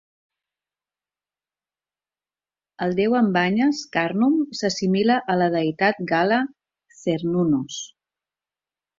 El Déu amb banyes, Carnun, s'assimila a la deïtat gala Cernunnos.